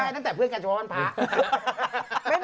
ใช่ตั้งแต่เพื่อนกันช่วงบ้านพระ